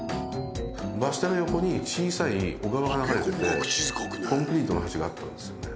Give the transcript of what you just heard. バス停の横に小さい小川が流れててコンクリートの橋があったんですよね。